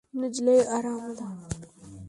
نجلۍ ارامه ده.